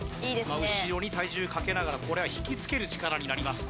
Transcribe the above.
真後ろに体重かけながらこれは引き付ける力になります